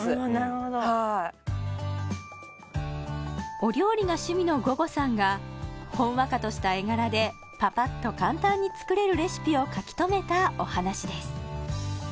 お料理が趣味の午後さんがほんわかとした絵柄でぱぱっと簡単に作れるレシピを書き留めたお話です